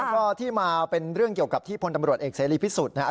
แล้วก็ที่มาเป็นเรื่องเกี่ยวกับที่พลตำรวจเอกเสรีพิสุทธิ์เนี่ย